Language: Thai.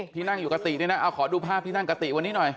พี่นั่งอยู่กับตีด้วยนะขอดูภาพพี่นั่งกับตีวันนี้หน่อย